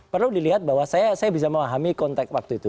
perlu dilihat bahwa saya bisa memahami konteks waktu itu